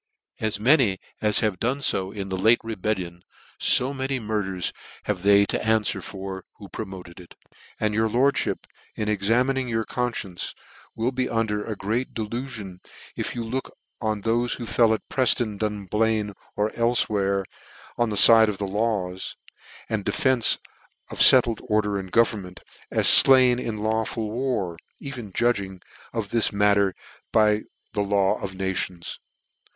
'* As many as have fo done in the late rebel lion^ fo many murders have they to anfwer for who promoted it ; and your lordihip, in examining your cpnfcience, will be under a great delufion, if you look on thofe who fell 'at Prefton, Dum lain, or elfewhere, on the fide of the laws, and defence of fettled order and government, as fluin in lawful war, even judging of this matter by the law of nations.